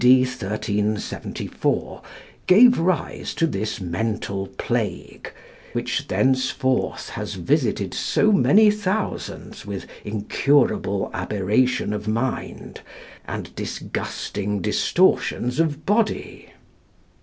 D. 1374, gave rise to this mental plague, which thenceforth has visited so many thousands with incurable aberration of mind, and disgusting distortions of body.